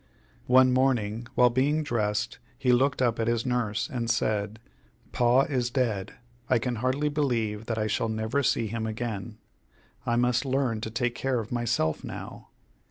One morning, while being dressed, he looked up at his nurse, and said: "Pa is dead. I can hardly believe that I shall never see him again. I must learn to take care of myself now."